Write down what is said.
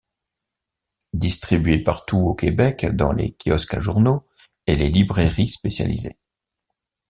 Distribué partout au Québec dans les kiosques à journaux et les librairies spécialisées.